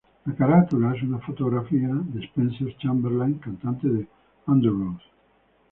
La carátula es una fotografía de Spencer Chamberlain, cantante de Underoath.